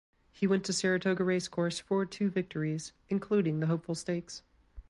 He went to Saratoga Race Course for two victories including the Hopeful Stakes.